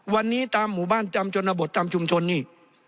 วันนี้ตามหมู่บ้านจำชนบทตามชุมชนนี่